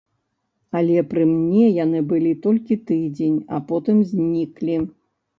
Але пры мне яны былі толькі тыдзень, а потым зніклі.